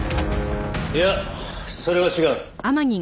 いやそれは違う。